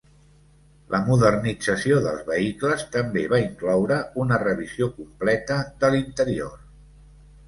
La modernització dels vehicles també va incloure una revisió completa de l'interior.